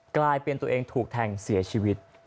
กลายเป็นตัวเองถูกแทงเสียชีวิต